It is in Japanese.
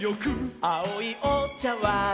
「あおいおちゃわん」